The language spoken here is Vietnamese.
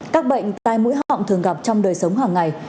các bệnh tai mũi họng thường gặp trong đời sống hàng ngày